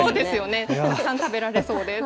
たくさん食べられそうです。